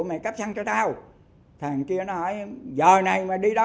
bây giờ bây giờ bây giờ